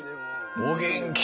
お元気。